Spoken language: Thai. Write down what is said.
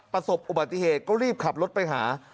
ประสบอุบัติเหตุก็รีบขับรถไปหา